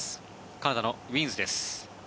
カナダのウィーンズです。